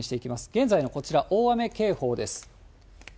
現在のこちら、大雨警報です。